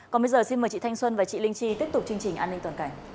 còn bây giờ xin mời chị thanh xuân và chị linh chi tiếp tục chương trình an ninh toàn cảnh